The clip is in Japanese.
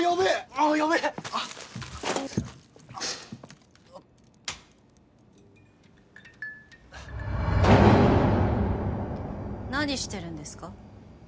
ああっヤベえ何してるんですか？